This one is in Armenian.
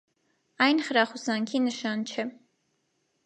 Այն խրախուսանքի նշան չէ։